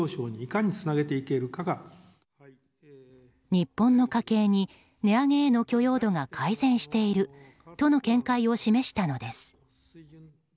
日本の家計に値上げへの許容度が改善しているとの見解を示したのです。